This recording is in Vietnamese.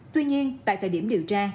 tuy nhiên tại thời điểm điều tra